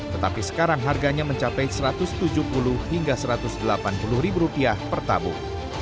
tetapi sekarang harganya mencapai satu ratus tujuh puluh hingga satu ratus delapan puluh ribu rupiah per tabung